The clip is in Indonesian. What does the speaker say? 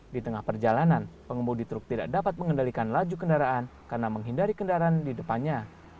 di tengah perjalanan pengemudi truk tidak dapat mengendalikan laju kendaraan karena menghindari kendaraan di depannya